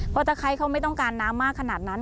เพราะถ้าใครเขาไม่ต้องการน้ำมากขนาดนั้น